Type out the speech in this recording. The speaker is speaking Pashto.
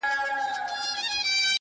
o که آرام غواړې. د ژوند احترام وکړه.